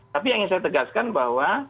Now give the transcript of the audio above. tapi yang ingin saya tegaskan bahwa